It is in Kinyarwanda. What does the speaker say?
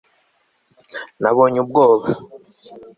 Nabonye ubwoba